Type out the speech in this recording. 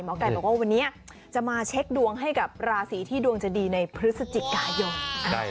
ไก่บอกว่าวันนี้จะมาเช็คดวงให้กับราศีที่ดวงจะดีในพฤศจิกายน